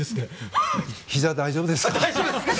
ひざ大丈夫ですか？